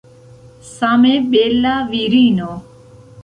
Same bela virino.